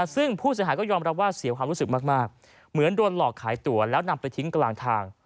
ซึ่งผู้เสียหายก็ยอมรับว่าเสียความรู้สึกมากเหมือนโดนหลอกขายตั๋วแล้วนำไปทิ้งกลางทาง